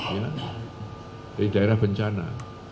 ya dari daerah bencana